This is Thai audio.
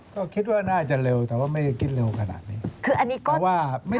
ก็คิดว่าน่าจะเร็วแต่ว่าไม่คิดเร็วกนาดนี้